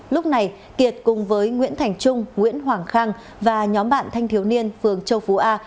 lúc này kiệt cùng với nguyễn thành trung nguyễn hoàng khang và nhóm bạn thanh thiếu niên phường châu phú a